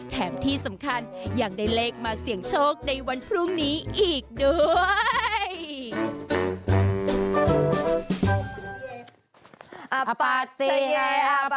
แถมที่สำคัญยังได้เลขมาเสี่ยงโชคในวันพรุ่งนี้อีกด้วย